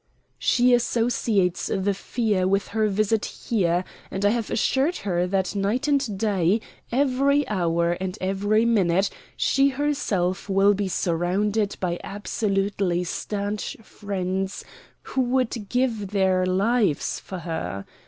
"She associates the fear with her visit here, and I have assured her that night and day, every hour and every minute, she herself will be surrounded by absolutely stanch friends who would give their lives for her.